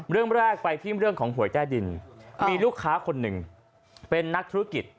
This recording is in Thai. เรื่องแรกไปที่เรื่องของหวยใต้ดินมีลูกค้าคนหนึ่งเป็นนักธุรกิจ